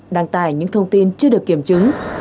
đăng tải những thông tin chưa được kiểm chứng